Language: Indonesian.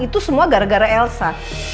itu semua gara gara elsa